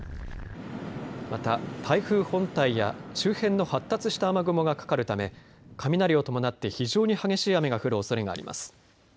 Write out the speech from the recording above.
また台風本体や周辺の発達した雨雲がかかるため雷を伴って非常に激しい雨が降るおそれがあります。